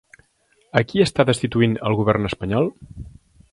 A qui està destituint el govern espanyol?